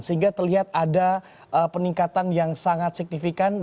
sehingga terlihat ada peningkatan yang sangat signifikan